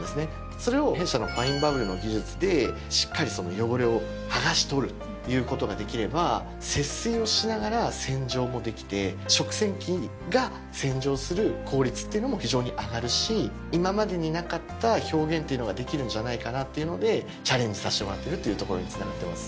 それを弊社のファインバブルの技術でしっかり汚れを剥がし取るっていうことができれば節水をしながら洗浄もできて食洗機が洗浄する効率っていうのも非常に上がるし今までになかった表現っていうのができるんじゃないかなっていうのでチャレンジさせてもらってるっていうところにつながってます。